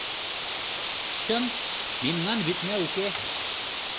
Чын, мемнан вӱдна уке.